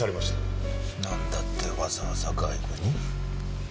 なんだってわざわざ外部に？